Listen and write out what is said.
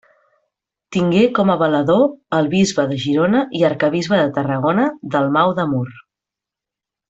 Tingué com a valedor el bisbe de Girona i arquebisbe de Tarragona, Dalmau de Mur.